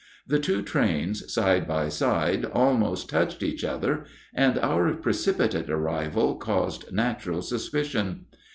The two trains, side by side, almost touched each other, and our precipitate arrival caused natural suspicion.